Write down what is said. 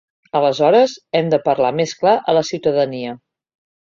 Aleshores, hem de parlar més clar a la ciutadania.